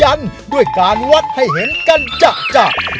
แล้ววันนี้ผมมีสิ่งหนึ่งนะครับเป็นตัวแทนกำลังใจจากผมเล็กน้อยครับ